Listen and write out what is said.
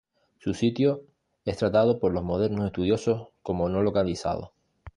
Su sitio es tratado por los modernos estudiosos como no localizado.